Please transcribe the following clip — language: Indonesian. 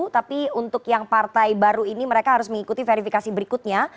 tapi untuk yang partai baru ini mereka harus mengikuti verifikasi berikutnya